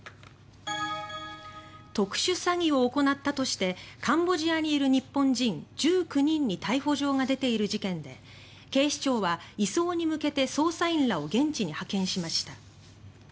特殊詐欺を行ったとしてカンボジアにいる日本人１９人に逮捕状が出ている事件で警視庁は移送に向けて捜査員らを現地に派遣しました。